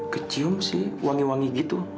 kecium sih wangi wangi gitu